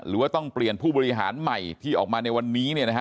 หรือว่าต้องเปลี่ยนผู้บริหารใหม่ที่ออกมาในวันนี้เนี่ยนะฮะ